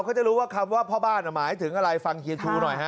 เขาจะรู้ว่าคำว่าพ่อบ้านหมายถึงอะไรฟังเฮียชูหน่อยฮะ